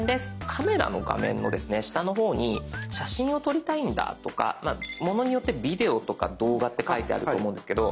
カメラの画面の下の方に写真を撮りたいんだとかものによってビデオとか動画って書いてあると思うんですけど